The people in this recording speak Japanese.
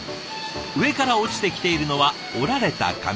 上から落ちてきているのは折られた紙。